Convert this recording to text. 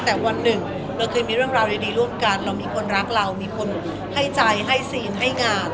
แต่วันหนึ่งเราเคยมีเรื่องราวดีร่วมกันเรามีคนรักเรามีคนให้ใจให้ซีนให้งาน